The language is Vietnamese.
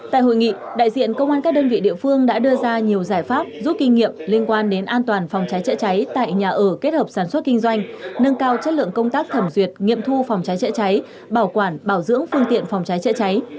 tại hội nghị đại diện công an các đơn vị địa phương đã đưa ra nhiều giải pháp rút kinh nghiệm liên quan đến an toàn phòng cháy chữa cháy tại nhà ở kết hợp sản xuất kinh doanh nâng cao chất lượng công tác thẩm duyệt nghiệm thu phòng cháy chữa cháy bảo quản bảo dưỡng phương tiện phòng cháy chữa cháy